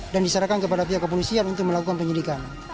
dan disarankan kepada pihak kepolisian untuk melakukan penyidikan